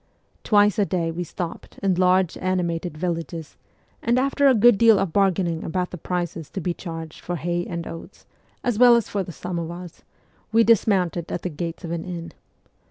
Twice a day we stopped in large, animated villages, and after a good deal of bargaining about the prices to be charged for hay and oats, as well as for the samovars, we dismounted at the gates of an inn.